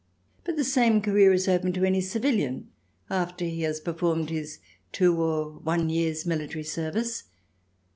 But the same career is open to any civilian after he has performed his two or one year's military service.